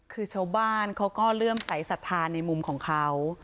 คือชาวบ้านเขาก็เริ่มใสสัทธาในมุมของเขา